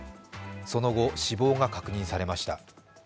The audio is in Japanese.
その後死亡が確認されました。